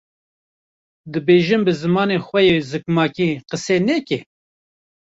dibêjin bi zimanê xwe yê zikmakî qise neke?